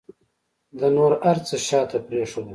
ده نور هر څه شاته پرېښودل.